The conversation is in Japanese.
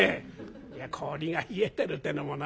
「いや氷が冷えてるってのもないがな。